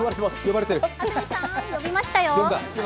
安住さん、呼びましたよ。